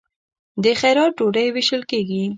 د خیرات ډوډۍ ویشل کیږي.